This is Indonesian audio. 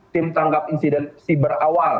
tim tanggap insiden siber awal